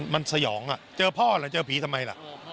มันสยองอ่ะเจอพ่อหรือเจอผีทำไมล่ะ